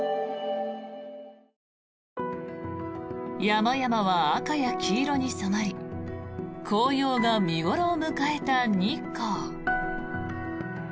山々は赤や黄色に染まり紅葉が見頃を迎えた日光。